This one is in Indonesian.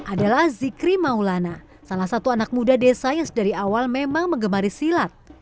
adalah zikri maulana salah satu anak muda desa yang dari awal memang mengemari silat